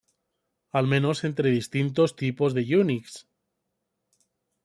Al menos entre distintos tipos de Unix.